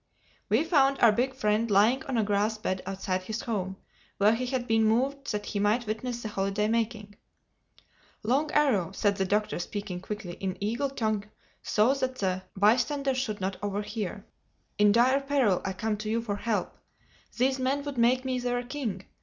We found our big friend lying on a grass bed outside his home, where he had been moved that he might witness the holiday making. "Long Arrow," said the Doctor speaking quickly in eagle tongue so that the bystanders should not overhear, "in dire peril I come to you for help. These men would make me their king.